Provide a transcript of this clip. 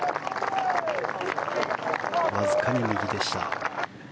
わずかに右でした。